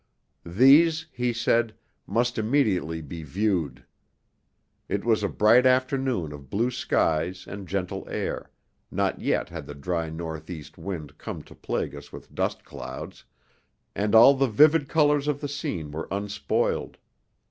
These, he said, must immediately be viewed. It was a bright afternoon of blue skies and gentle air, not yet had the dry north east wind come to plague us with dust clouds, and all the vivid colours of the scene were unspoiled.